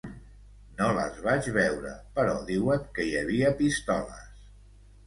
No les vaig veure, però diuen que hi havia pistoles.